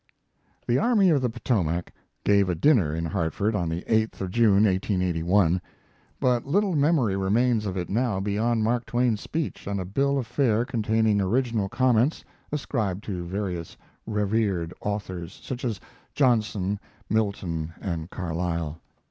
The Army of the Potomac gave a dinner in Hartford on the 8th of June, 1881. But little memory remains of it now beyond Mark Twain's speech and a bill of fare containing original comments, ascribed to various revered authors, such as Johnson, Milton, and Carlyle.